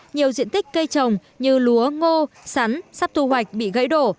nhiều diện tích cây trồng như lúa ngô sắn sắp thu hoạch bị gãy đổ